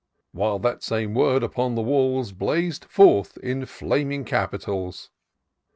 * While that same word upon the walls Blaz'd forth in flaming Capitals.